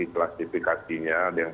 di klasifikasinya ada yang